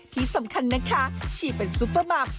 ที่สำคัญนะคะชีเป็นซุปเปอร์มัม